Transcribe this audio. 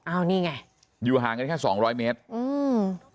อ้าวนี่ไงอยู่ห่างกันแค่สองร้อยเมตรอืม